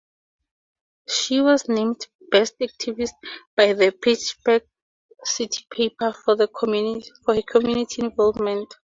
She was named "Best Activist" by the "Pittsburgh City Paper" for her community involvement.